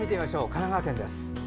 神奈川県です。